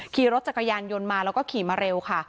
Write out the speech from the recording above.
ขี่รถจักรยานยนต์มาแล้วก็ขี่มาเร็วค่ะ